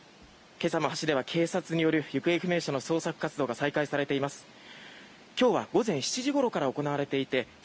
今朝も橋では警察による行方不明者の捜索活動が再開されています。